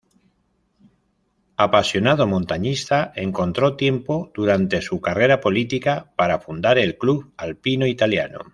Apasionado montañista, encontró tiempo durante su carrera política para fundar el Club Alpino Italiano.